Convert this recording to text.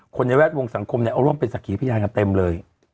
ในแวดวงสังคมเนี่ยเอาร่วมเป็นสักขีพยานกันเต็มเลย